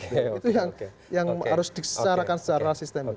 itu yang harus disesarkan secara sistem